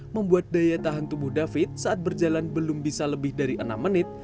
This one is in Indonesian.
membuat daya tahan tubuh david saat berjalan belum bisa lebih dari enam menit